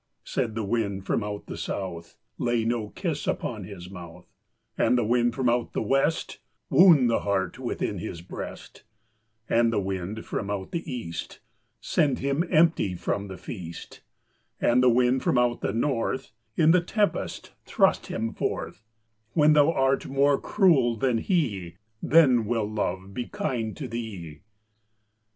Said the wind from out the south, "Lay no kiss upon his mouth," And the wind from out the west, "Wound the heart within his breast," And the wind from out the east, "Send him empty from the feast," And the wind from out the north, "In the tempest thrust him forth; When thou art more cruel than he, Then will Love be kind to thee."